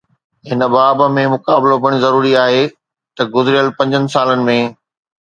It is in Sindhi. هن باب ۾ مقابلو پڻ ضروري آهي ته گذريل پنجن سالن ۾